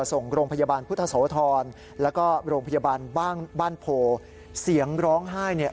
ส่งโรงพยาบาลพุทธโษธรและก็โรงพยาบาลบ้านโผศียงร้องไห้